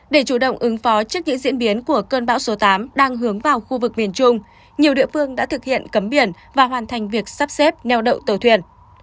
để chủ động ứng phó trước những diễn biến của cơn bão số tám đang hướng vào khu vực miền trung nhiều địa phương đã thực hiện cấm biển và hoàn thành việc sắp xếp neo đậu tàu thuyền